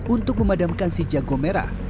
untuk memadamkan si jago merah